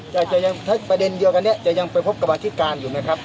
แต่ถ้าประเด็นเดียวกันนี้จะยังไปพบกรรมธิการอยู่ไหมครับ